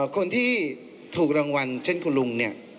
คนที่ถูกรังวัลเช่นคุณลุง